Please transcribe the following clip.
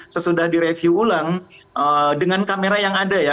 sesudah direview ulang dengan kamera yang ada ya